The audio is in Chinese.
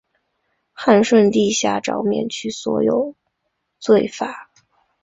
汉顺帝下诏免去所有罪罚。